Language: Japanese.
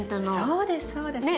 そうですそうです。ね？